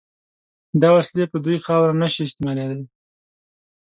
دا وسلې په دوی خاوره نشي استعمالېدای.